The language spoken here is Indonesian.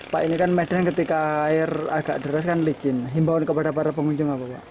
pak ini kan medan ketika air agak deras kan licin himbawan kepada para pengunjung apa pak